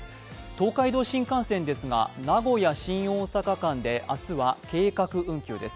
東海道新幹線ですが名古屋−新大阪間で明日は計画運休です。